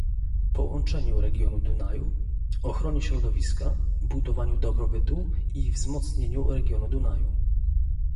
połączeniu regionu Dunaju, ochronie środowiska, budowaniu dobrobytu i wzmocnieniu regionu Dunaju